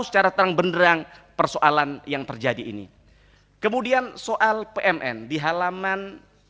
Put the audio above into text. secara terang benerang persoalan yang terjadi ini kemudian soal pmn di halaman